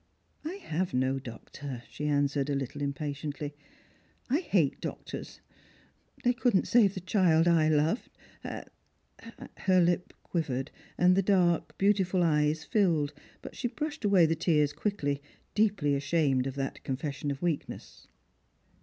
" I have no doctor," she answered, a little impatiently. " I hate doctors. They could not save the child I loved — and " Her lip quivered, and the dark beautiful eyes filled, but she brushed away the tears quickly, deeply ashamed of that confes sion of weakness.